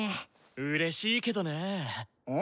うれしいけどなぁ。